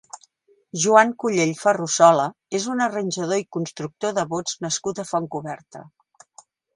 Joan Collell Ferrusola és un arranjador i constructor de bots nascut a Fontcoberta.